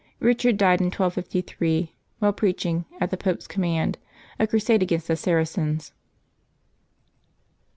Eich ard died in 1253, while preaching, at the Pope's command, a crusade against the Saracens.